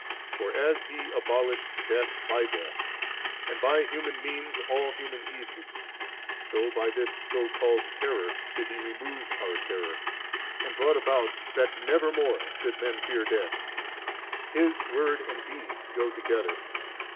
For as He abolished death by death, and by human means all human evils, so by this so called terror did He remove our terror, and brought about that never more should men fear death. EUs word and deed go together.